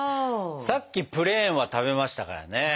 さっきプレーンは食べましたからね。